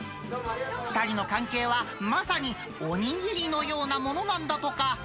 ２人の関係は、まさにお握りのようなものなんだとか。